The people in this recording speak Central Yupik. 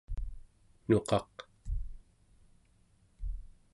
nuqaq